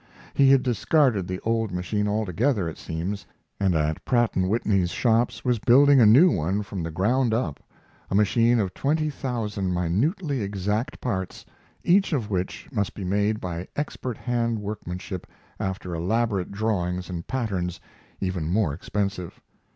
He had discarded the old machine altogether, it seems, and at Pratt & Whitney's shops was building a new one from the ground up a machine of twenty thousand minutely exact parts, each of which must be made by expert hand workmanship after elaborate drawings and patterns even more expensive.